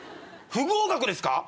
不合格ですか